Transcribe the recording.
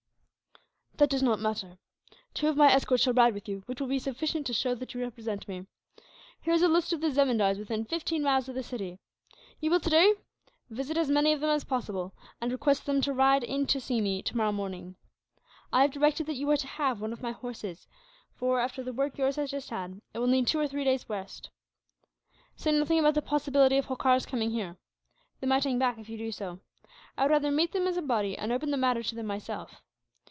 "That does not matter. Two of my escort shall ride with you, which will be sufficient to show that you represent me. Here is a list of the zemindars within fifteen miles of the city. You will, today, visit as many of them as possible, and request them to ride in to see me, tomorrow morning. I have directed that you are to have one of my horses for, after the work yours has just had, it will need two or three days' rest. "Say nothing about the possibility of Holkar's coming here. They might hang back, if you did so. I would rather meet them as a body, and open the matter to them, myself.